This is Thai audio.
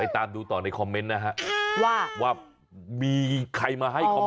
ไห้ทุกขนาดอยู่ไหน